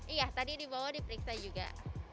iya tadi dibawa diperiksa juga